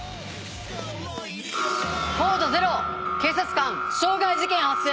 コード０警察官傷害事件発生！